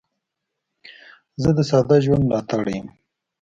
زه د ساده ژوند ملاتړی یم.